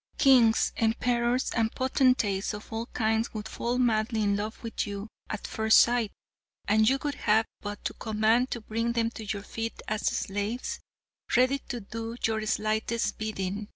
Kings, emperors and potentates of all kinds would fall madly in love with you at first sight, and you would have but to command to bring them to your feet as slaves ready to do your slightest bidding.